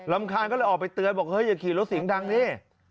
คาญก็เลยออกไปเตือนบอกเฮ้ยอย่าขี่รถเสียงดังนี่